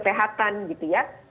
sebagai petugas kesehatan